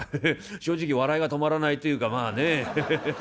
正直笑いが止まらないというかまあねヘヘヘヘヘ！」。